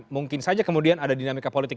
mungkin saja kemudian ada dinamika politik